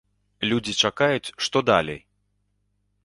Людзі чакаюць, што далей?